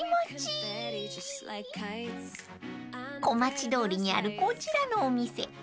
［小町通りにあるこちらのお店］